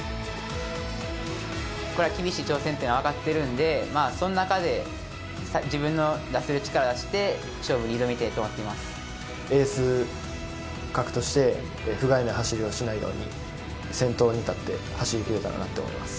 これは厳しい挑戦っていうのは分かってるんで、その中で、自分の出せる力出して、エース格として、ふがいない走りをしないように、先頭に立って走りきれたらなって思います。